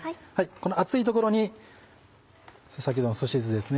この熱いところに先ほどのすし酢ですね。